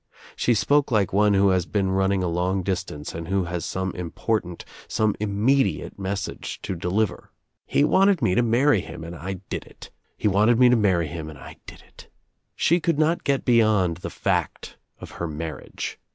She spoke lilte one who has been running a long distance and who has some important, some im mediate message to deliver, "He wanted me to marry ■ him and I did It, He wanted me to marry him and I ' did It." She could not get beyond the fact of her marriage.